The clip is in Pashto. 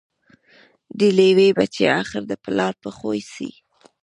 د لېوه بچی آخر د پلار په خوی سي